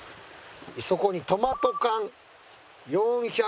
そこにトマト缶４００シーシー。